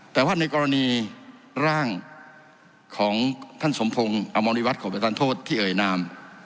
แต่ว่าในกรณีร่างของท่านสมพงศ์อมรวิวัตรของประธานโทษที่เอ่ยนาม